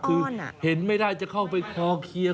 คือเห็นไม่ได้จะเข้าไปคลอเคลียร์